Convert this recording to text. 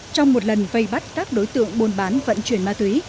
trong một lần vây bắt các đối tượng buôn bán vận chuyển ma túy